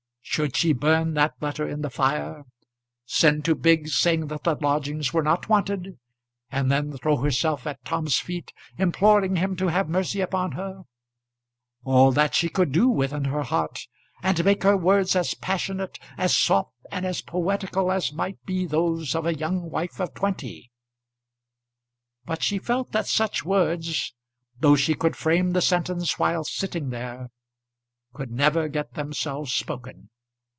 Should she burn that letter in the fire, send to Biggs saying that the lodgings were not wanted, and then throw herself at Tom's feet, imploring him to have mercy upon her? All that she could do within her heart, and make her words as passionate, as soft, and as poetical as might be those of a young wife of twenty. But she felt that such words, though she could frame the sentence while sitting there, could never get themselves spoken.